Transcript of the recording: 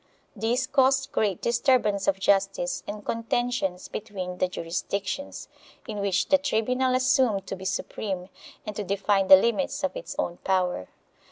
This caused great disturb ance of justice and contentions between the jurisdictions, in which the tribunal assumed to be supreme and to define the limits of its own power.